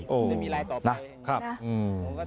คุณได้มีรายต่อไปนะครับอืมครับ